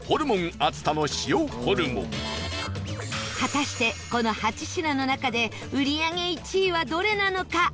熱田の塩ホルモン果たして、この８品の中で売り上げ１位はどれなのか？